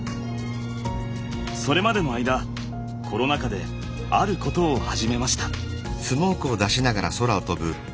それまでの間コロナ禍であることを始めました。